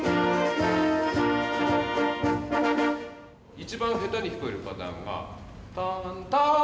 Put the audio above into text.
一番下手に聞こえるパターンがタンターン！